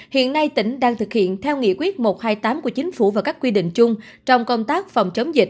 hiện nay tỉnh đang thực hiện theo nghị quyết một trăm hai mươi tám của chính phủ và các quy định chung trong công tác phòng chống dịch